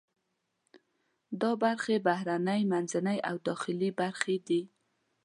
دا برخې بهرنۍ، منځنۍ او داخلي برخې دي.